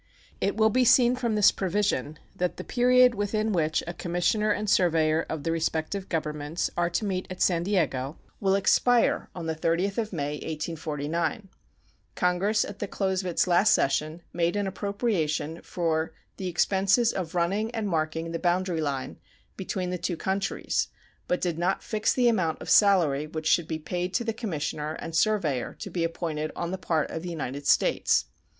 It will be seen from this provision that the period within which a commissioner and surveyor of the respective Governments are to meet at San Diego will expire on the 30th of May, 1849. Congress at the close of its last session made an appropriation for "the expenses of running and marking the boundary line" between the two countries, but did not fix the amount of salary which should be paid to the commissioner and surveyor to be appointed on the part of the United States.